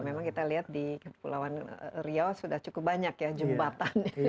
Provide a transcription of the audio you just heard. memang kita lihat di kepulauan riau sudah cukup banyak ya jembatan